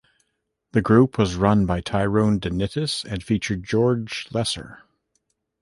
The group was run by Tyrone DeNittis and featured George Lesser.